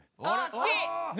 好き。